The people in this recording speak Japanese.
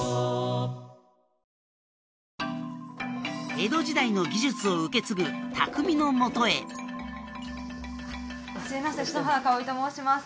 江戸時代の技術を受け継ぐ匠のもとへはじめまして篠原かをりと申します